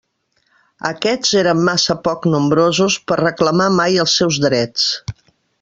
Aquests eren massa poc nombrosos per a reclamar mai els seus drets.